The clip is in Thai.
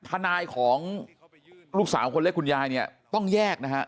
ทนายของลูกสาวคนเล็กคุณยายเนี่ยต้องแยกนะฮะ